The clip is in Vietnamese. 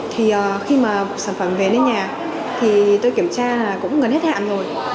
thì khi mà sản phẩm về lên nhà thì tôi kiểm tra là cũng gần hết hạn rồi